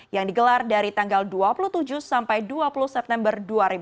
yang digelar dari tanggal dua puluh tujuh sampai dua puluh september dua ribu dua puluh